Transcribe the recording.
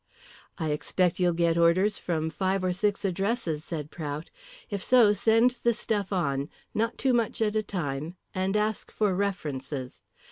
"I expect you'll get orders from five or six addresses," said Prout. "If so, send the stuff on, not too much at a time, and ask for references.